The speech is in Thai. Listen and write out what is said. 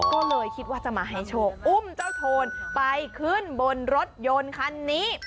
ก็เลยคิดว่าจะมาให้โชคอุ้มเจ้าโทนไปขึ้นบนรถยนต์คันนี้